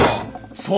そう！